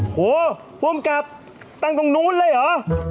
โอ้โฮพวกมันกลับตั้งตรงนู้นเลยเหรอ